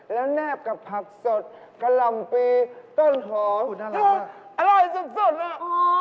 แล้วแนบกับผักสดกะล่ำปีต้นหอมอร่อยสุดน่ะ